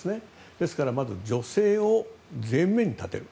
ですから女性を前面に立てる。